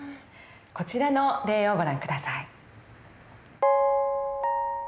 こちらの例をご覧下さい。